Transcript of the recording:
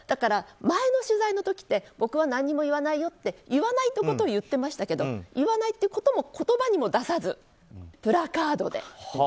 前の取材の時って僕は何も言わないよって言わないということを言ってましたけど言わないということも言葉にも出さず、プラカードで。